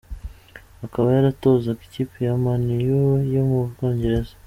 Akaba yaratozaga ikipe ya Man U yo mu Bwongereza.